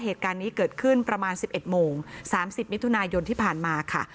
เหตุการณ์นี้เกิดขึ้นประมาณสิบเอ็ดโมงสามสิบมิถุนายนที่ผ่านมาค่ะ